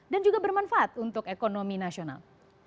dan juga bermanfaat untuk ekonomi nasional